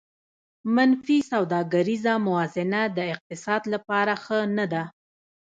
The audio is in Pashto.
منفي سوداګریزه موازنه د اقتصاد لپاره ښه نه ده